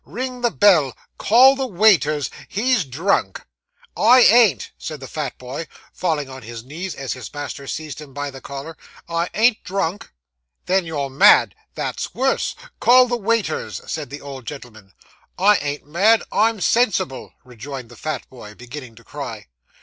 'Ring the bell! Call the waiters! He's drunk.' 'I ain't,' said the fat boy, falling on his knees as his master seized him by the collar. 'I ain't drunk.' 'Then you're mad; that's worse. Call the waiters,' said the old gentleman. 'I ain't mad; I'm sensible,' rejoined the fat boy, beginning to cry.